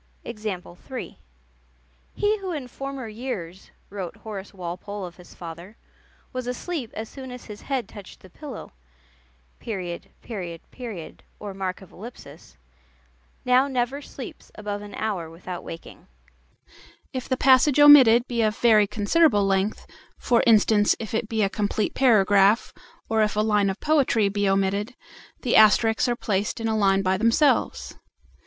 "He who in former years," wrote Horace Walpole of his father, "was asleep as soon as his head touched the pillow ... now never sleeps above an hour without waking." If the passage omitted be of very considerable length, for instance if it be a complete paragraph, or if a line of poetry be omitted, the asterisks are placed in a line by themselves.